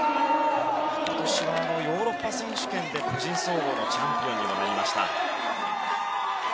今年はヨーロッパ選手権で個人総合のチャンピオンにもなりました。